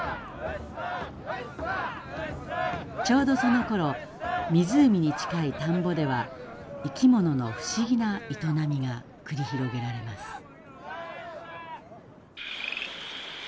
ちょうどそのころ湖に近い田んぼでは生き物の不思議な営みが繰り広げられます。